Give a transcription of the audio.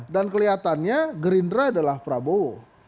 dan kelihatannya gerindra adalah prabowo